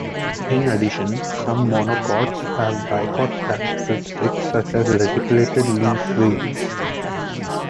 In addition, some monocots have dicot characteristics such as reticulated leaf veins.